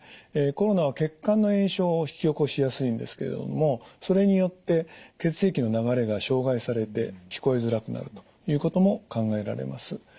コロナは血管の炎症を引き起こしやすいんですけれどもそれによって血液の流れが障害されて聞こえづらくなるということも考えられます。